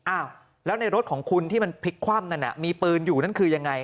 อ้าวแล้วในรถของคุณที่มันพลิกคว่ำนั่นน่ะมีปืนอยู่นั่นคือยังไง